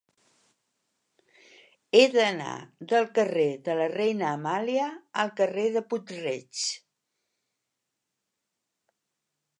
He d'anar del carrer de la Reina Amàlia al carrer de Puig-reig.